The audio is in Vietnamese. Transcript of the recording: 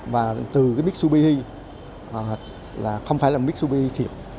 và từ cái mixupi không phải là mixupi thiệp